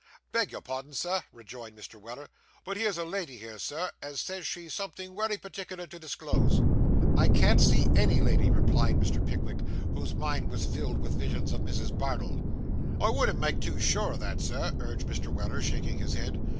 'Beg your pardon, Sir,' rejoined Mr. Weller. 'But here's a lady here, Sir, as says she's somethin' wery partickler to disclose.' 'I can't see any lady,' replied Mr. Pickwick, whose mind was filled with visions of Mrs. Bardell. 'I wouldn't make too sure o' that, Sir,' urged Mr. Weller, shaking his head.